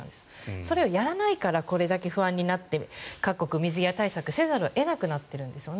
それをやらないからこれだけ不安になって各国、水際対策せざるを得なくなってるんですよね。